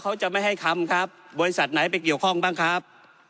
เขาจะไม่ให้คำครับบริษัทไหนไปเกี่ยวข้องบ้างครับ